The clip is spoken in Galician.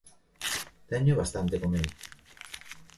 Teño bastante co meu.